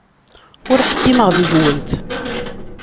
Ur ḥkimeɣ deg-went.